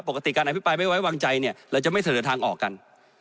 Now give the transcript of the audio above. การอภิปรายไม่ไว้วางใจเนี่ยเราจะไม่เสนอทางออกกัน